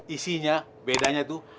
isinya bedanya tuh